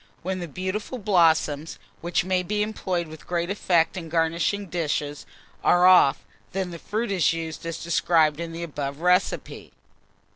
When the beautiful blossoms, which may be employed with great effect in garnishing dishes, are off, then the fruit is used as described in the above recipe.